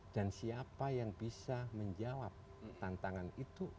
siapa yang bisa menjawab tantangan itu